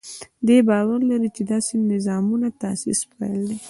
دوی باور لري چې داسې نظامونو تاسیس پیل دی.